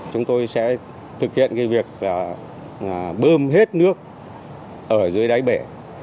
chúng tôi sẽ thực hiện cái việc là bơm hết nước ở dưới đáy bể